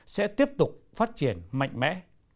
sẽ tiếp tục phát triển mạnh mẽ